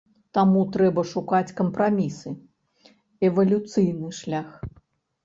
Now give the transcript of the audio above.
Таму трэба шукаць кампрамісы, эвалюцыйны шлях.